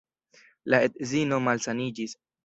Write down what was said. La edzino malsaniĝis.